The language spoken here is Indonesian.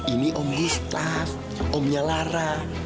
ini om histaf omnya lara